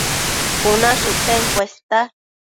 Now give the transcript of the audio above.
Cuna shëcten cuesta